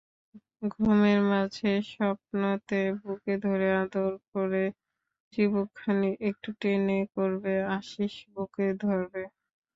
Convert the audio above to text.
ঘুমের মাঝে স্বপনেতে বুকে ধরে আদর করেচিবুকখানি একটু টেনে করবে আশিস বুকে ধরে।